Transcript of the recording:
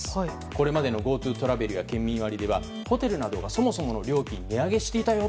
これまでのＧｏＴｏトラベルや県民割ではホテルなどがそもそもの料金値上げしていたよ。